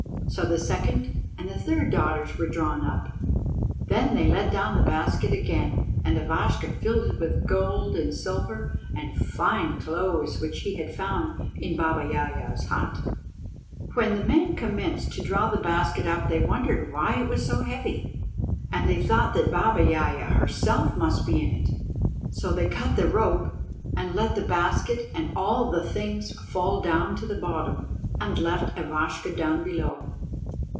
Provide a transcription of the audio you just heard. So the second and the third daughters were drawn up. Then they let down the basket again, and Ivashka filled it with gold and silver and fine clothes, which he had found in Baba Yaja's hut. When the men commenced to draw the basket up they wondered why it was so heavy, and they thought that Baba Yaja herself must be in it. So they cut the rope and let the basket and all the things fall down to the bottom, and left Ivashka down below.